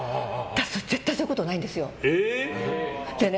絶対にそういうことはないんですよ。